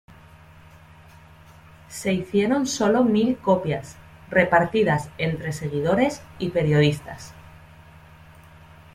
Se hicieron sólo mil copias, repartidas entre seguidores y periodistas.